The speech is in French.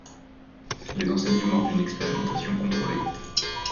Les enseignements d’une expérimentation contrôlée.